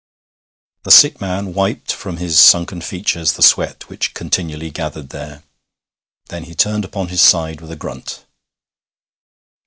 The sick man wiped from his sunken features the sweat which continually gathered there. Then he turned upon his side with a grunt.